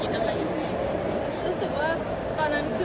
ตอนที่ยืนรออยู่ตรงนั้นคิดอะไรอย่างนี้